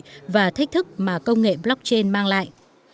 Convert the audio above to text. đây là một thách thức mà công nghệ blockchain mang lại